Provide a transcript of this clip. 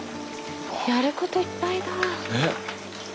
やることいっぱいだ。